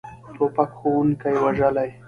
توپک ښوونکي وژلي.